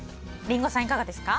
リンゴさん、いかがですか？